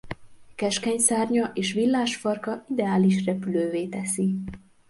Keskeny szárnya és villás farka ideális repülővé teszi.